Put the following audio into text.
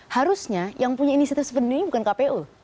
harusnya yang punya inisiatif sebenarnya bukan kpu